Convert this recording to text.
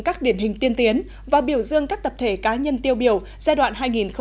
các điển hình tiên tiến và biểu dương các tập thể cá nhân tiêu biểu giai đoạn hai nghìn một mươi sáu hai nghìn một mươi tám